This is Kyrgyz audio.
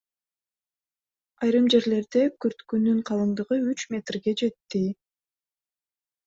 Айрым жерлерде күрткүнүн калыңдыгы үч метрге жетти.